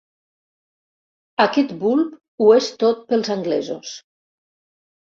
Aquest bulb ho és tot pels anglesos.